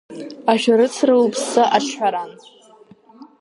Ашәарыцара уԥсы аҿҳәаран.